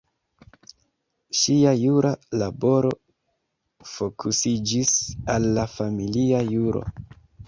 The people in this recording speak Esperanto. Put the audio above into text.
Ŝia jura laboro fokusiĝis al la familia juro.